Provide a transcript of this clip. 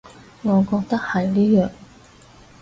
我覺得係呢樣